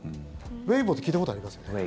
ウェイボーって聞いたことありますよね？